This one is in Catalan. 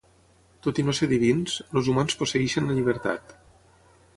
Tot i no ser divins, els humans posseeixen la llibertat.